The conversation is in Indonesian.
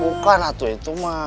bukan itu mah